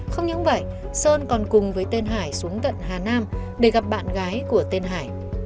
không những vậy sơn còn cùng với tên hải xuống tận hà nam để gặp bạn gái của tên hải